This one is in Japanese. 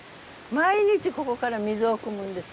毎日ここから水をくむんですよ。